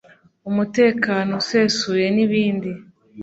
umutekano usesuye n’ibindi